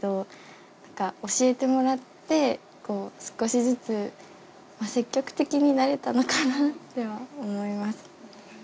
教えてもらって少しずつ積極的になれたのかなとは思います。